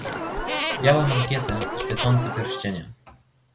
"Białe mankiety, świecące pierścienie."